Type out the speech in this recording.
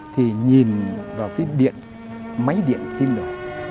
thì nhìn vào cái điện máy điện tim đó